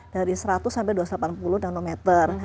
dari seratus sampai dua ratus delapan puluh nanometer